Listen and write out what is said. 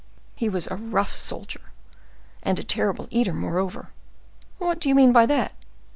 "He was a rough soldier." "And a terrible eater, moreover." "What do you mean by that?"